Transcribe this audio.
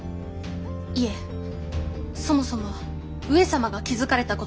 いえそもそもは上様が気付かれたことにございます。